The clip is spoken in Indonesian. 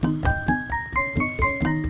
bicara tentang siang